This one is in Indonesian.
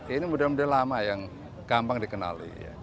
ini mudah mudahan lama yang gampang dikenali